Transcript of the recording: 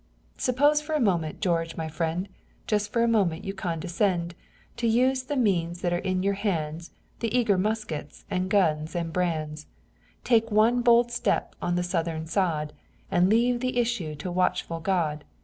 "Suppose for a moment, George, my friend, Just for a moment you condescend To use the means that are in your hands The eager muskets and guns and brands; Take one bold step on the Southern sod, And leave the issue to watchful God!